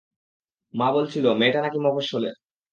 মা বলছিল - মেয়েটা নাকি মফস্বলের।